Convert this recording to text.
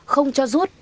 không cho rút